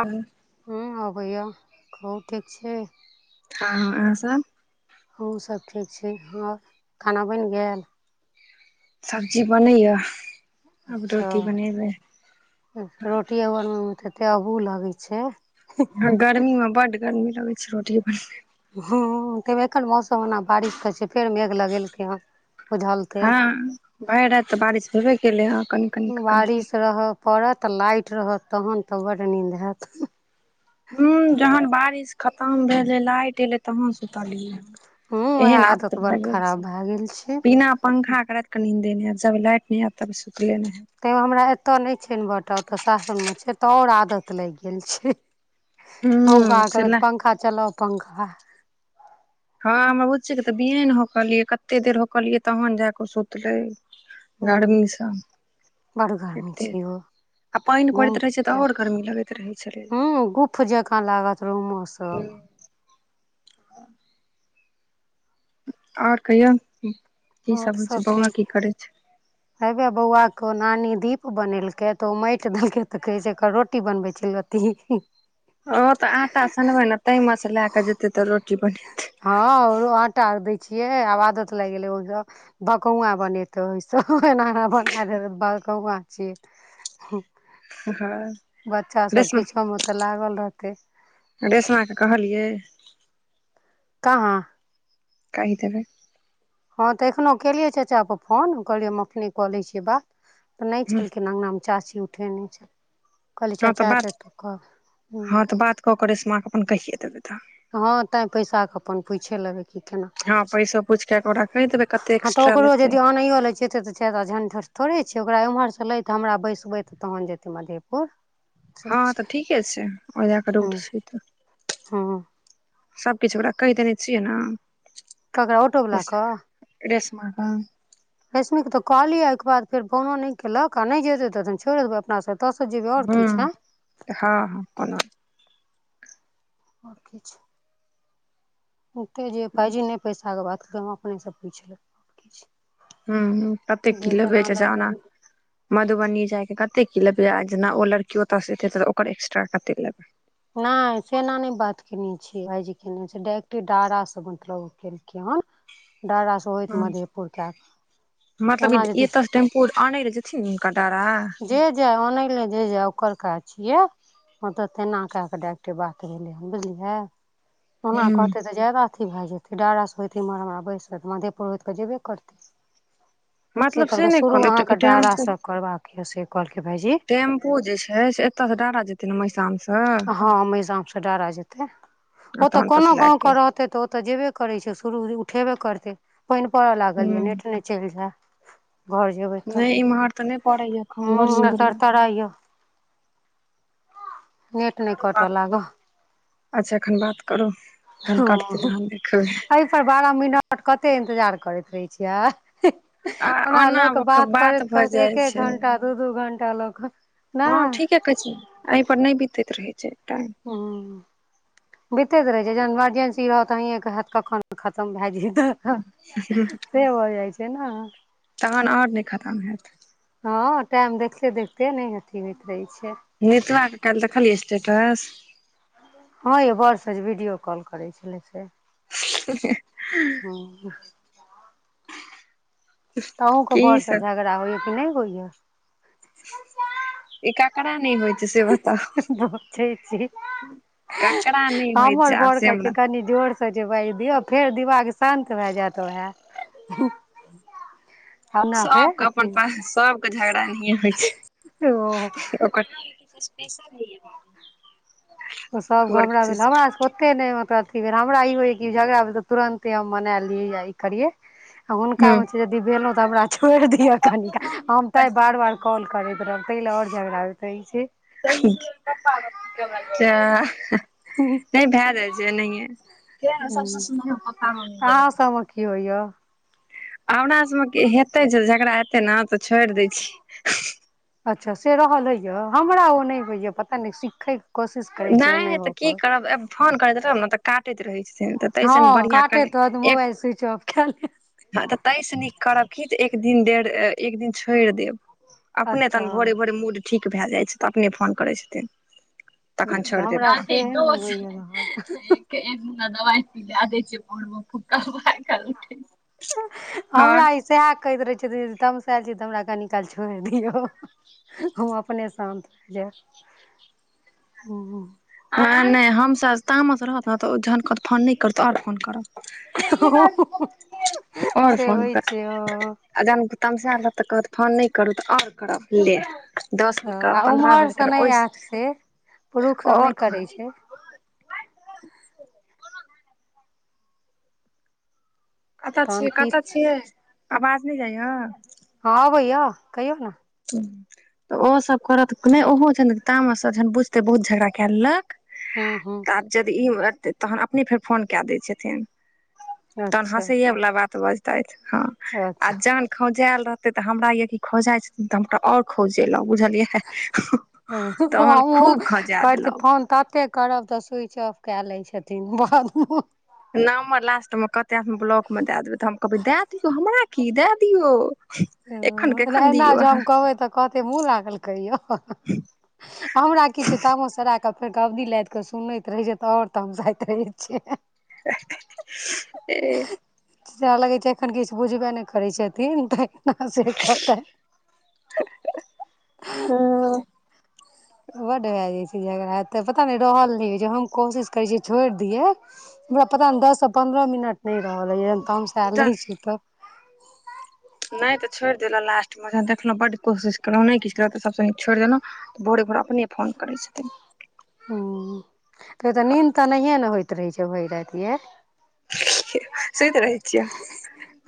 अन [unintelligible] ह अबैय खहु ठीक छी थ हँ आहाँ सब हमु सब ठीक छी हँ खाना बनि गेल सब्जी बनैय आब रोटी बनेबै रोटिये बनबै मे तऽ अते अबूह लगै छै हँ गर्मी मे बड गर्मी लगै छै रोटीये बनइ मे हं एखन मौसम ओना बारिश होय छै फेर मेघ लगेलकै हन फेर उझलतै हँ भरि राति तऽ बारिश भेबे केलै हँ कनि कनि कनि बारिश रहय पड़त लाइट रहत तहन तऽ बड नींद हेएत ऊं जहन बारिश खतम भेलै लाइट एलै तहन सुतलियै हूँ हँ उएह एहन आफद आदत बड़ भ गेल खराब छै भए गेल छै पिना पंखा क राइत क निंदेनै एत जाबे लाइट नै आयत ताबे सुतले नै हेएत तैं मे हमरा एतय नै छै इनबौटर ओतय सासुर मे छै तऽ आओर आदत लागि गेल छै बोआ हूं से कहबै त लाइ पंखा चलाउ पंखा हँ हमर बुच्ची के तऽ बिएन होकलियै कते देर होकलियै तहन जा कऽ सुतलै हूँ गर्मीस बड़ गर्मी छै यो आ पाइन पड़ैत रहै छै तऽ आओर गर्मी लगैत रहै छलै गुफ जेकाँ लागत रूमो स ह [unintelligible] आओर कहियौ की आओर सब होइ छै सभ बौआ ठीक की य करै छै हेबे बौआ क नानी दीप बनेलकै तऽ ओ माटि देलकै तऽ कहै छै रोटी बनबै छेलिय हूं हूं ओ तऽ आंटा सनबै ने तहि मे से लए क जेतै तऽ रोटी फनेबै हँ ओरो आटा दै छियै आब आदत लाइग गेलै ओय भकौंआं बनेतै ओइस ओना बना देबै भकौंआं छियै हँ बच्चा सब रेशमा किछो मे तऽ लागल रहतै रेशमा के कहलियै काहाँ [unintelligible] हँ तऽ एखनौह केलियै चाचा के फोन कहलियै हम अपने कऽ लै छियै बात तऽ नहि छलखिन। अङ्गनामे चाची उठेने छल। कहलियै हँ चचा बात अतैथ तऽ कहब हँ तऽ बात कऽ कऽ रेसमा क अपन कहिये देबै तऽ हँ तैं पैसाके अपन पूईछे लेबै कि केना हँ कहै छै। पैसो पूछि कऽ ओकरा कहि देबै कते हँ तऽ एक्स्ट्रा ओकरो लेतै यदि अनैयो ले जैतियै त चदाऽ झंझट थोड़े छैै ओकरा ओम्हरसँ लति हमरा बैसबति तहन जेतै मधेपुर से हँ छै तऽ ठीके छै ओ लए कऽ रूट छै तऽ हँ सभ किछ ओकरा कहि देने छियै ने ककरा ऑटो वला कऽ रेसमा कऽ रश्मिके तऽ कहलिय ओहिके बाद फेर फोनो नय केलके आ नहि जेतै तऽ छोइड़े देबै अपना हँ सब [unintelligible] हँ हँ ओना आओर किछ हेतै जे भाई जी नहि पैसाके बात अपनेसँ पुइछ लेबै कि छै हूं कते जे किलो जेना [unintelligible] लेतै मधुबनी जाय के कते की लेबे जेना ओ लड़कियो त ओतऽ सिखै ओकर एक्स्ट्रा कते लेबे। नैय सेना नय बात केने छियै भाई जी केने छै डाइटे डारा स मतलब के हन ड्रास से हो [unintelligible] इत हँ मधेपुर क क ओना यदि। टेम्पो आनै ले जेथिन हुनक डारा जे जाय ओनै ले जे जाय ओकर काज छियै हं तऽ तेना कैय कऽ डाइरेक्ट बात भेलहिन बुझलियै ओना हूँ कहतै तऽ जादा अथी भए जेतै डारास होत इमहर हमरा बैसत त मधेपुर होयइत तऽ जेबे करतै। से मतलब कहलकै नहि शुरू कहलहु अहाँके डारा टेम्पू स करबाक य से कहलकै भाईजी। टेम्पू जे छै से एतय स डारा जेतै ने महिशाम स हँ मेहजाम स डरा जेतै आ ओ तऽ तहन ओतऽ कोनो से लए गाँंव के रहते तऽ ओतऽ जेबे करै छै शुरू उठेबे करतै पानि पड़य लागल हूँ य नेट नहि छै बूझे घर जेबै तऽ नहि इम्हर तऽ नहि पड़ैया एखन बड़ हं सुन्दर तर तराइय नेट नहि करू कटऽ बात लाग अच्छा एखन बात करू जहन कटतै तहन देखबै। एहि पर बारह मिनट कते इंतजार करैत रहै छियै ओना लोक के बात करति भऽ करति जाइ एक एक छै घंटा दू दू घंटा लोकऽ हँ ठीके कहै छै आइ पर नै बितैत रहै छै टाइम हऽ बितेैत रहे छै जहन मर्जेंसी रहत अहिए कऽ कखन खतम भए जतै। [unintelligible] से हो जाइ छै न तहन और नै खतम हैत। हँ टाइम देखते देखते नै अथी होइत रहै छै। नेतवा कऽ काइल देखलियै स्टेटस- हँ यौ बड़ से वीडियो कॉल करै छलैसे [unintelligible] [unintelligible] तऽ अहूँकेँ की बड़ स सब झगड़ा होइ यऽ की नै होइए [unintelligible] ई ककरा नहि होइ छै से बताउ [unintelligible] ककरा नहि होइ छै हमर आब बड़ से कऽ छै। हमरा कनि जोर स बजबै दियौ फेर दिमाग शान्त भए जायत ओहै [unintelligible] सब कऽ अपन पास सब केँ झगड़ा एनहिये होइ ओ छै [unintelligible] ओ सब ग हमर हमरा किछ भेल हमरा सब कऽ ओते नै मतलब अथी भेल हमरा ई होइय कि झगड़ा भेल तऽ तुरन्ते हम मना ली या ई करियै आ हुनका हूँ में छै [unintelligible] छोड़ि दिअ कनिकाल हम तैय बार बार कॉल करैत रहब तै लऽ और झगड़ा होईत रहैत छै [unintelligible] हूँ नै भए जाइ छै एनाहिये छै सबसँ सुनियौ पप्पा मम्मी के अहाँ गऽप सबमे की होइय हमरा सभ में कि हेतै छै झगड़ा हेतै तऽ छोड़ि दै छियै अच्छ से रहल होइए हमरा ओ नै होइए पता नै सिखै नै तऽ की करबब फोन करैत रहब न तऽ काटैत रहैत छथिन ताहिसँ हँ बढ़िआँ काटेत कनि रहत एक मोबइल स्विच ऑफ कऽ लेत हँ तऽ तै सँ नीक करब की जे एक दिन डेढ एक दिन छोड़ देब अपने अच्छा तहन भोरे भोरे मूड ठीक भै जाइ छै तऽ अपने फोन करै छथिन तखन अच्छा छोड़ देब हमरा सेहे नहि होइया रहल [unintelligible] [unintelligible] सेहै कहैत रहे छथिन जे तमसैल छी तऽ हमरा कनी काल छोड़ दियौ हम अपने शान्त भै जायब [inaudible] ह नै हम सब तामस रहत न तऽ ओ जहन कहत फोन नै कर तहन और फोन करब [unintelligible] आओर से फोन होई करब छै ओ आ जहन तमसैल तऽ कहत फोन नै करू तऽ और करब ले दस ह बेर करब आ पन्द्रह उम्हर बेर से नै करब ओहिसँ ऐैत से [inaudible] पुरुख सभ आओर नै करै छै कत तहन छियै की कत छियै आवाज नै जाए हँ आबै यऽ कहियौ न [unintelligible] तऽ ओसभ करत नै ओहो जहन तामस स जहन बुझते बहुत झगड़ा कै लेलक हूँ हूँ आब जदि ई तहन अपने फेर फोन कए दै छथिन तहन अच्छा हँसैए वला बात बजतै हँ आ अच्छा जहन खौंझएल रहतै त हमरा य कि खौंझाय छथिन त हम तऽ आओर खौंजेलो बुझलियै तहन खूब खौंझा [unintelligible] देलहुँ फोन त ते करब तऽ स्विच ऑफ कए लै छथिन बाबु नम्बर लास्ट मे कहते हम ब्लॉक मे दए देबै तऽ हम कहबै दए दियौ हमरा की दए दियौ एखन के एखन दिओ अहाँ कहति मुह लागल कहियौ हमरा की छै तामस सऽ राख त फेर गबदी लादि के सुनैत रहै छै तऽ आओर तमसाऐत रहै छै ई सेह लगै छै एखन किछ बुझबे नहि करै छथिन तऽना से कहतथि हूं बड भए जाइ छै झगड़ा तऽ पता नय रहल नय होइ छै हम कोशिश करै छियै छोड़ि दियै हमरा पता नहि दससँ पन्द्रह मिनट नै रहल होईया तऽमसायल रहै छी तऽ नय तऽ छोड़ि देलहुँ लास्ट मे देखलहु बड कोशिश केलहुँ नहि किछ केलौंउ त सबसँ नीक छोड़ि देलौं तऽ भोरे भोर अपने फोन करै छथिन हूं फेर तऽ हँ नीन्द तऽ नहिए ने होइत रहै छै भरी राति यै सुति रहै छियै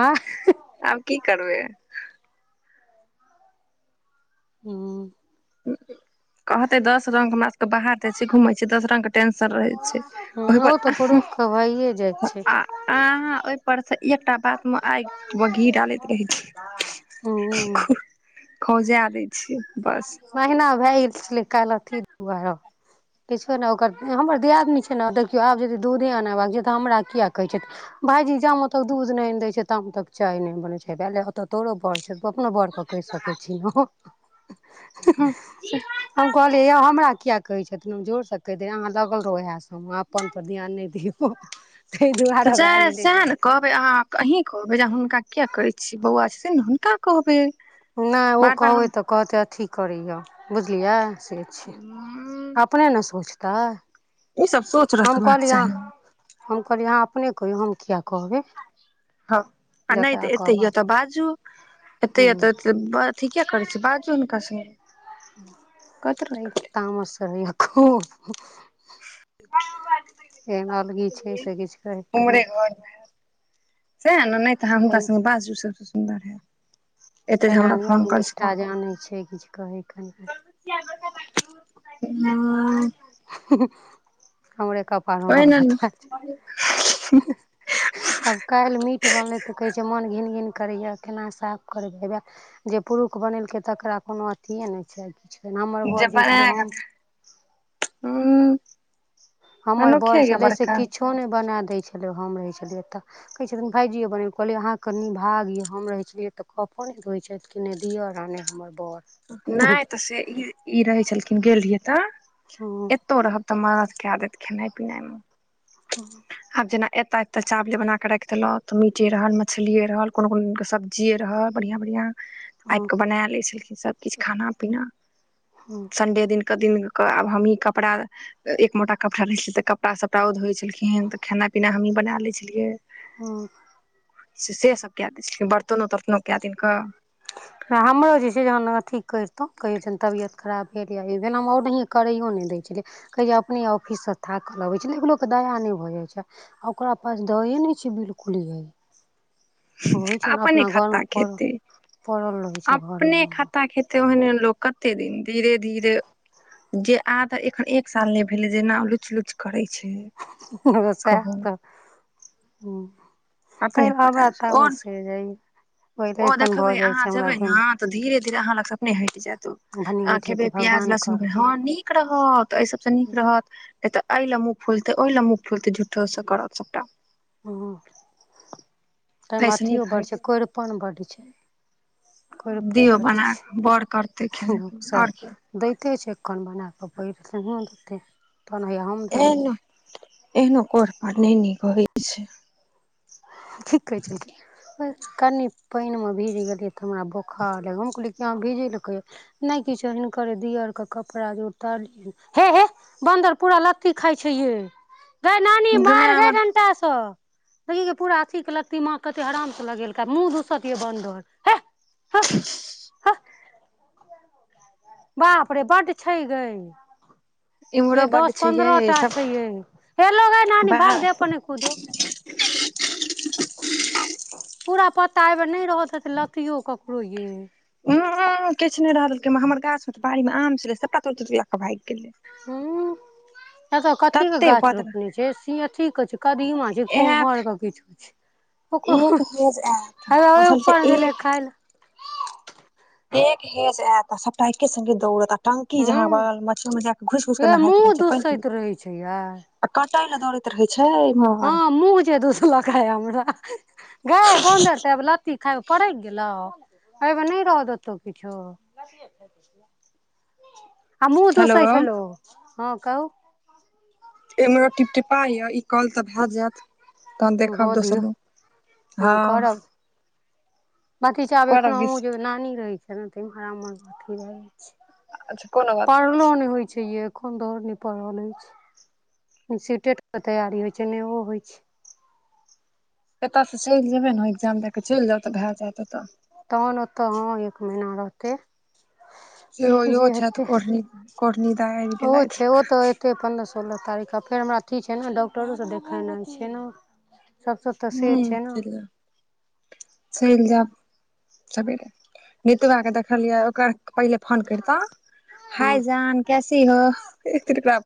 आँ आब की करबै हूं कहते दस रंग हमरा सबके बाहरदे छै घुमइ छी दस रंग के टेंशन रहै छै ओहि ओ तऽ पुरुषके भइए जाइ छै अहंऽआऽ अहाँ ओइपर से एकटाऽ बात मे आगि व घी डालैत रहै छी हूं खौ खौंजा दै छियै बस महिना भए गेल छलै काल अथी दुआरह किछो नय ओकर हमर दियादनी छै ने देखियौ आब यदि दूधे अनेबाक छै तऽ हमरा किएक कहै छथि भायजी जामं तक दूध नै आनि दय छै ताम तक चाय नय बनै छै भेलय हऽत तोरो बड़ छै तु अपनो बऽर पकैड़ सकै छी न हंऽ हँ सेऽ हम कहलियै यौ हमरा किया कहै छथिन हम जोर से कहि देे अहाँ लगल रहौ उहे से हम अप्पऽन पर ध्यान नहि दियौऽतइ तऽ दुआरे भए जाय गेलै सएह जे ने कहबै अहाँ क अहीं कहबै जे हुनका किया करय छी बउआ छथिन ने हुनकाऽ कहबै नय ओ बार बार कहबै हम तऽ कहतै अथी करैय बुझलियै से छै अपने ने सोऽचतै ई सब सोच हम रखबाक कहलीयै आं चाही हम कहलिये अहां अपने कहियौ हम किया कहबै हँ आ नय जकरा तऽ एते कहब अय तऽ बाजू एते हूँ अयत त त ब अथी किया करै छी बाजू हुनका स तैं तामस होइया खुऽब [unintelligible] एहन अलगी छै से किछ कहै के नै उमरे घर मे सएह ने नइ तऽ अहां नहि हुनका संगे बाजू शबश सुंदर हेऽत तेना नियम निष्ठा जानै छै किछ कहै के नय ऊंऽ हमरे कप ओहि पाऽगल ने बताह हंं ह काइल मीट बनलै तऽ कहै छै मोन घिन घिन करैया केना साफ करबै हे वे जे पुरुख बनेलकै तकरा कोनो अथिएऽ नय छै किछु हमर बर जे छलै हम [unintelligible] मनुखे अ बड़का तबो नै बना दय छलियै हम रहै छलियैतऽ कहै छथिन भायजीयो बने कहलियै अहाँकेँ कनि भाग यए हम रहै छलियै तऽ कपो नै धोयै छैइथ नै दिअर नै हमर बर नै तऽ से ई ई रहै छेलखिन गेल रहियै तऽ [unintelligible] तौ रहब तऽ मदद कै देत खेनाइ पिनाइ में [unintelligible] आब जेना एतय एते चावले बना केँ राइख देल तऽ मीटे रहल मछलिए रहल कोनो कोनो सब जी रहब बढ़िआँ बढ़िआँ आइब कऽ बना लै छलखिन सभ किछ खाना पीना हूँ संडे दिन कऽ दिन कऽ आब हमही कपड़ा एक मोटा कपड़ा रहै छलै तऽ कपड़ा सपड़ा ओ धोइ छलखिन तऽ खाना पीना हमही बना लै छलियै हऽ से सब कए दै छै बर्तनो तर्तनो कै दिन कऽ [unintelligible] हमरो जे छै जहन अथी करितहुँ कहिछैन तबियत खराब भेल या ई भेल हम ओनहिए करैयो नै दै छेलियै कहे अपने ऑफिस से थाक लबै छै एक लोक दया नै भऽ जाइत छै आ ओकरा पास दायै नै छै बिल्कुल यै होइ छै ने आपने अपना घरमे खत्ता पड़ल खेतेय पड़ल रहै [inaudible] छै अपने घरमे खत्ता खेतैय तोहिने लोक कत्ते दिन धीेरे धीरे जे अहाँ केँ एखन एक साल नै भेलै जेना ओ लुच लुच करय छैय [unintelligible] अपने काइल पता हमरा छै आओर तामस चेढ़ जाइए ओहि ओ एखन भऽ देखबै जाइ अहाँ छै हमरा जेबै ने दुनू तऽ धीरे धीरे अहाँ लग स अपने हइट जायत ओ भने अहाँ हटि खेबे जेतै प्याज भगवान लहसुन करऽ ह निक नीक रहत ऐ सब स नीक रहत नै तऽ ये लए मुँह फूलते ओय लए मुँह फुलते झूठों स करत सबटा हँ [inaudible] तहिमे ताहिसँ नीक अथियो बड़ हटि छै कोईरपन बड्ड छै कोरिपन दियौ बड्ड बना छै कऽ बड़ करतै खेनाइ पिनाइ सएह और की दैते छैकन बना कऽ पढ़ देते [inaudible] तहन हैया हम देबै एहनो [inaudible] एहनो कोईरह पन नै निक हौय छै ठीक कहै छै [inaudible] की कनी पाइन में भीज गेलियै तऽ हमरा बोखार लग हम कहलिये कि अहाँ भीजेल किये नै किछो हिनकर दिअर कऽ कपड़ा जे उतारलियै हे हे बन्दर पूरा लत्ती खाइ छै ये गेइ नानी मार गैमाय गइ हमर डंटा स देखी गे पूरा अथी के लत्ती मा कते आराम से लगेलकै मुँह दूसत ये बनदर हे हह हह [unintelligible] बाप रे बड छई गइ ये इम्हरो बड्ड दस छै पन्द्रहो यै टा सब छै ये हे ऐलौ गए नानी भाग बाहर देह नै कुदौ पूरा पत्ता एहि बे नै रह देतै लत्तियों ककरो यै [unintelligible] किछ नै रहल दलकै हम हमर गाछ मे तऽ बाड़ी मे आम छलै सबटा तो तोड़ केँ भाइग गेलै हू [inaudible] एतो कथी कऽ तते गाछ बदर रोपने छै अथी कऽ छै कदीमा ई आयत कुम्हर केँ किछ छै ओकरो एक हेज आयत हेबे ओहि बुझलकै ऊपर गेलै एक खाय ले एक हेज एत सबटा एके संगे दौड़त आ टंकी हूं जहाँवल मच्छीं जाक घुईस घुईस क यै नहाइत मुँह रहै छै पानि पी दुसैत रहै छै यै आ कटैयले दौड़ैत रहै छै इम्हर हँ मुँह जे दूसलका आय हमरा गाय बन्दर त लत्ती खाय परइक गेलाव, एहि मे नै रह देतौ किछो आ मुँह हेलो दुसै छलौ हँ कहु एमेरा टिपटिपा यऽ ई काॅल तऽ भए जायत तहन हो देखब दियौ दोसरमे हँ बथी छै आब एखन करब हमु बीस जेबई नानी रहै छै ने। इमहर आमहर अथी अच्छा रहै कोनो बात नहि पढ़लो नै होइ छै यै एखन आओड़ नै पड़हल होई छै सीटेट के तैयारी होय छै ने ओ होय छै एतयसँ चलि जेयबै न एक्जाम दए कऽ चलि जाउ तऽ भए जायत ओतऽ तहन ओतऽ हँ एक महिना रहतै। सेहो इहो जे छथि हेतै कोढ़नी कोढ़नी दा आबि ओ गेलथि छै ओ त एत अपन पन्द्र सोलह तारीखक फेर हमरा अथी छै न डॉक्टरोसँ देखेनाइ छै न हूँ चइल जा [unintelligible] चलि जायब सबेरे। नितबा के देखलियै ओकर पहिले फोन करितौं हाय हँ जान कैसी हो? फिर तेकरा